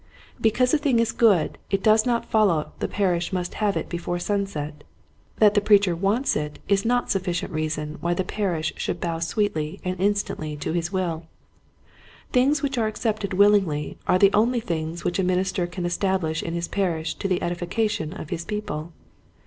Be cause a thing is good it does not follow the parish must have it before sunset. That the preacher wants it is not suffi cient reason why the parish should bow sweetly and instantly to his will. Things which are accepted willingly are the only things which a minister can establish in his parish to the edification of his people.